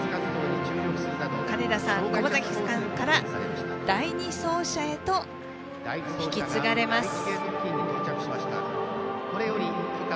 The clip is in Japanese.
金田さん、駒崎さんから第２走者へと引き継がれます。